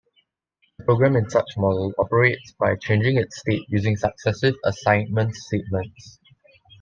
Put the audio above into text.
The program, in such model, operates by changing its state using successive assignment statements.